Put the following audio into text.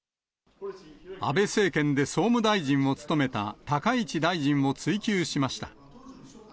安倍政権で総務大臣を務めた高市大臣を追及しました。